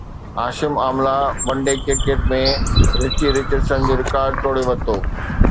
Hashim Amla one day cricket ۾ Richie Richardson جو record ٽوڙي ڇڏيو